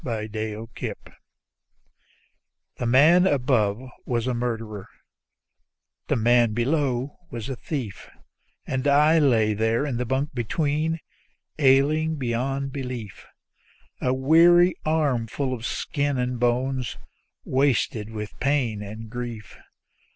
My Friends The man above was a murderer, the man below was a thief; And I lay there in the bunk between, ailing beyond belief; A weary armful of skin and bone, wasted with pain and grief.